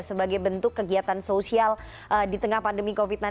sebagai bentuk kegiatan sosial di tengah pandemi covid sembilan belas